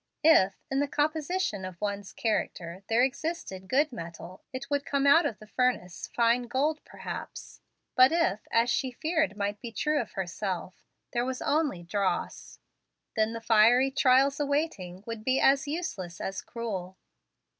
If, in the composition of one's character, there existed good metal, it would come out of the furnace fine gold perhaps; but if, as she feared might be true of herself, there was only dross, then the fiery trials awaiting would be as useless as cruel.